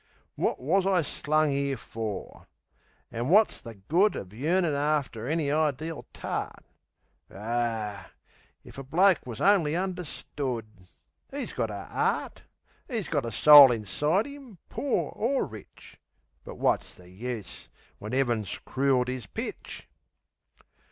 Wot wus I slung 'ere for? An wot's the good Of yearnin' after any ideel tart?... Ar, if a bloke wus only understood! 'E's got a 'eart: 'E's got a soul inside 'im, poor or rich. But wot's the use, when 'Eaven's crool'd 'is pitch?